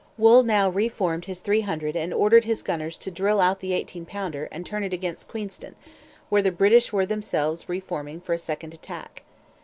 Wool now re formed his three hundred and ordered his gunners to drill out the eighteen pounder and turn it against Queenston, where the British were themselves re forming for a second attack.